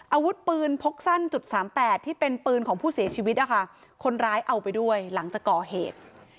อาวุธปืนพกสั้นจุดสามแปดที่เป็นปืนของผู้เสียชีวิตนะคะคนร้ายเอาไปด้วยหลังจากก่อเหตุ